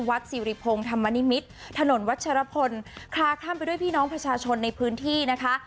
สิริพงศ์ธรรมนิมิตรถนนวัชรพลคลาข้ามไปด้วยพี่น้องประชาชนในพื้นที่นะคะ